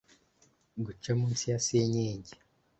guca munsi ya senyenge